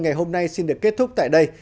ngày hôm nay xin được kết thúc tại đây